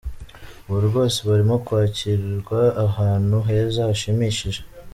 Ubu rwose barimo kwakirirwa ahantu heza hashimishije.